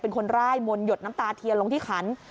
เป็นคนร่ายมนต์หยดน้ำตาเทียนลงที่ขัน